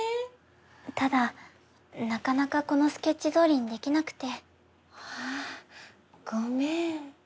ただなかなかこのスケッチどおりにできなくて。ああごめん。